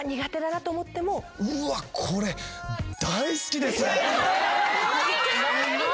「うわっこれ」「大好き」までいける？